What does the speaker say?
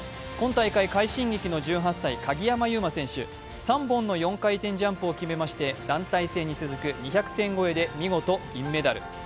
今大会快進撃の１８歳、鍵山優真選手３本の４回転ジャンプを決めまして、団体戦で見事、銀メダル。